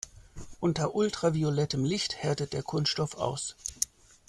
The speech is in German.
Unter ultraviolettem Licht härtet der Kunststoff aus.